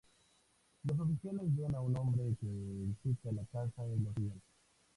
Los oficiales ven a un hombre que visita la casa y lo siguen.